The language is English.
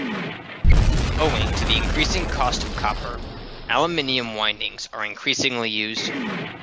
Owing to the increasing cost of copper, aluminium windings are increasingly used.